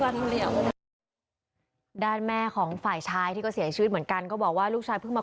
ด้านแม่ของฝ่ายชายที่ก็เสียชีวิตเหมือนกันก็บอกว่าลูกชายเพิ่งมา